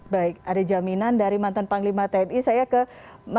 baik ada jaminan dari mantan panglima tni saya ke mas rifanli catatan anda seperti apa